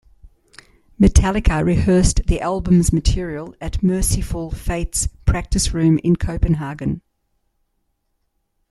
Metallica rehearsed the album's material at Mercyful Fate's practice room in Copenhagen.